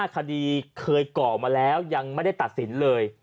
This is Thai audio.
คดีเคยก่อมาแล้วยังไม่ได้ตัดสินเลย